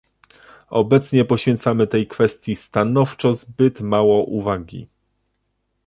Obecnie poświęcamy tej kwestii stanowczo zbyt mało uwagi